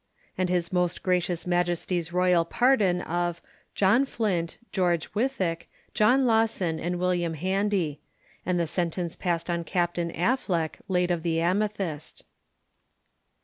AND HIS MOST GRACIOUS MAJESTY'S ROYAL PARDON OF JOHN FLINT, GEORGE WYTHICK, JOHN LAWSON, and WILLIAM HANDY. _And the Sentence passed on Capt. Affleck, late of the Amethyst.